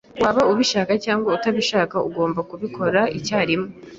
Waba ubishaka cyangwa utabishaka, ugomba kubikora icyarimwe.